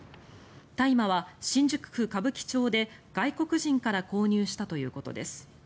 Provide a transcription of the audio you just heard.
大麻は新宿区歌舞伎町で外国人から購入したということです。